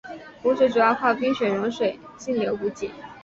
湖水主要靠冰雪融水径流补给。